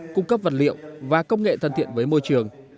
cung cấp vật liệu và công nghệ thân thiện với môi trường